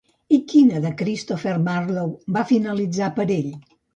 I quina de Christopher Marlowe va finalitzar per ell?